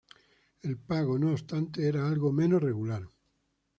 El pago, no obstante, era algo menos regular.